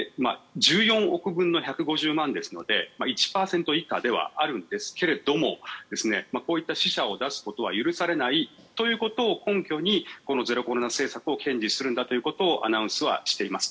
１４億分の１５０万ですので１％以下ではあるんですけどもこういった死者を出すことは許されないということを根拠にこのゼロコロナ政策を堅持するんだということをアナウンスはしています。